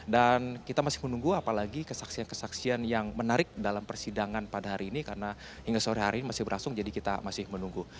dan kita masih menunggu apalagi kesaksian kesaksian yang menarik dalam persidangan pada hari ini karena hingga sore hari ini masih berlangsung jadi kita masih menunggu